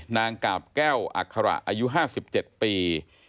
นางกาบแก้วอัคระอายุ๕๗ปี